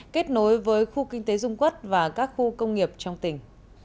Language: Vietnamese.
kết nối với khu kinh tế dung quốc và các khu công nghiệp trong tỉnh